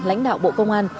lãnh đạo bộ công an